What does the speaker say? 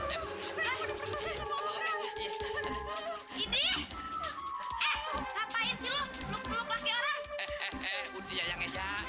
eh eh eh budi ya yang ngajak